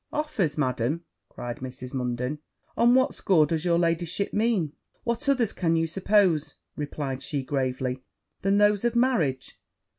'Offers, Madam!' cried Mrs. Munden; 'on what score does your ladyship mean?' 'What others can you suppose,' relied she gravely, 'than those of marriage?